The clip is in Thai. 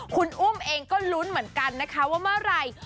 คุณอุ้มเองก็ลุ้นเหมือนกันนะคะว่าเมื่อไหร่